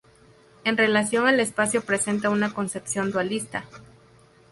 En relación al espacio presentan una concepción dualista.